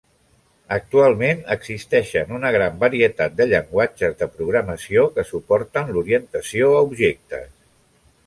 Actualment existeixen una gran varietat de llenguatges de programació que suporten l'orientació a objectes.